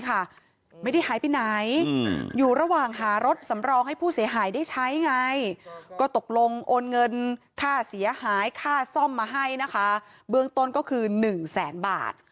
แต่ไม่ได้หมายว่าผมจะไม่รับผิดชอบค่าเสียหายทั้งหมด